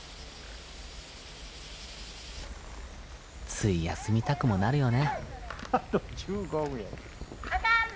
つい休みたくもなるよね。